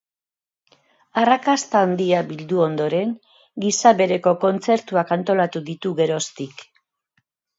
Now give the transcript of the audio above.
Arrakasta handia bildu ondoren, gisa bereko kontzertuak antolatu ditu geroztik.